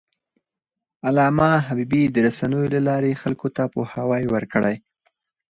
علامه حبيبي د رسنیو له لارې خلکو ته پوهاوی ورکړی.